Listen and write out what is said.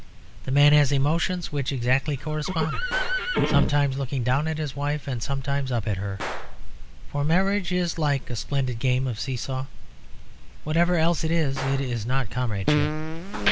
The man has emotions which exactly correspond; sometimes looking down at his wife and sometimes up at her; for marriage is like a splendid game of see saw. Whatever else it is, it is not comradeship.